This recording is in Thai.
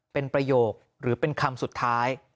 เป็นประโยคหรือเป็นคำสุดท้าย